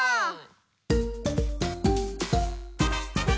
はい。